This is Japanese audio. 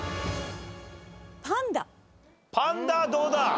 パンダどうだ？